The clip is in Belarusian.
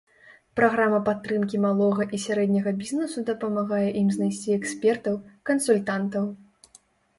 Праграма падтрымкі малога і сярэдняга бізнесу дапамагае ім знайсці экспертаў, кансультантаў.